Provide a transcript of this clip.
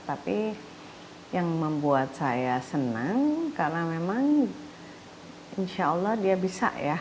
tapi yang membuat saya senang karena memang insya allah dia bisa ya